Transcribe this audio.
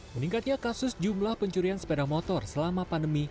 meningkatnya kasus jumlah pencurian sepeda motor selama pandemi